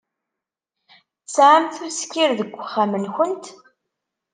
Tesɛamt uskir deg uxxam-nkent?